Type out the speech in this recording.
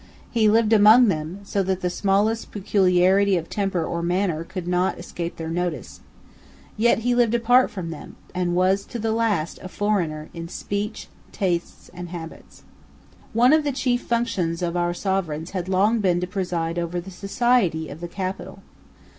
He lived among them, so that the smallest peculiarity of temper or manner could not escape their notice. Yet he lived apart from them, and was to the last a foreigner in speech, tastes, and habits. One of the chief functions of our Sovereigns had long been to preside over the society of the capital.